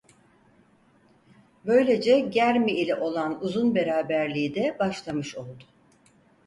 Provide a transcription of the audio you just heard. Böylece Germi ile olan uzun beraberliği de başlamış oldu.